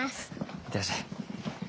行ってらっしゃい。